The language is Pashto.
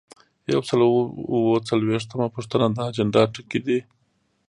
یو سل او اووه څلویښتمه پوښتنه د اجنډا ټکي دي.